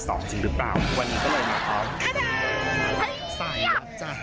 สายวัดจ้ะ